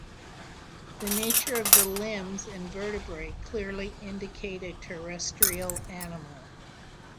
The nature of the limbs and vertebrae clearly indicate a terrestrial animal.